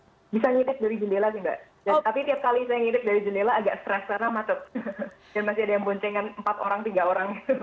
tidak saya menghidup dari jendela sih mbak tapi setiap kali saya menghidup dari jendela agak stres karena masih ada yang boncengan empat orang tiga orang